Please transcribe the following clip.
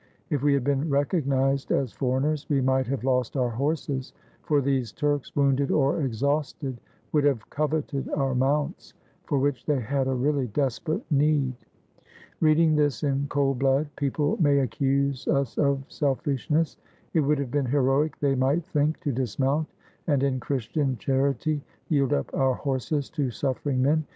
If we had been recognized as for eigners, we might have lost our horses; for these Turks, wounded or exhausted, would have coveted our mounts, for which they had a really desperate need. Reading this in cold blood people may accuse us of selfishness. It would have been heroic, they might think, to dismount and, in Christian charity, yield up our horses to suffering men.